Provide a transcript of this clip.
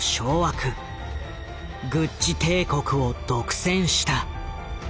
グッチ帝国を独占した。